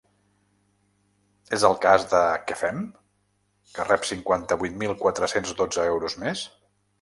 És el cas de Què fem?, que rep cinquanta-vuit mil quatre-cents dotze euros més.